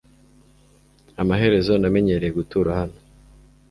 Amaherezo namenyereye gutura hano.